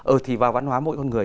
ờ thì vào văn hóa mỗi con người